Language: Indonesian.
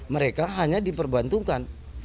mereka hanya diperbantukan